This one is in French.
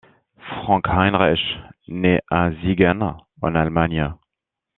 Frank Heinrich naît à Siegen en Allemagne.